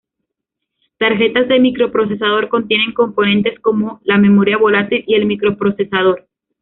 Tarjetas de microprocesador contienen componentes como la memoria volátil y el microprocesador.